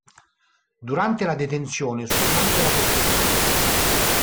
Durante la detenzione subì anche la tortura.